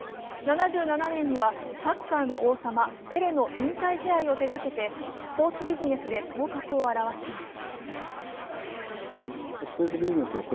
７７年にはサッカーの王様・ペレの引退試合を手がけてスポーツビジネスで頭角を現します。